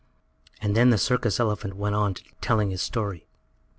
And then the circus elephant went on telling his story.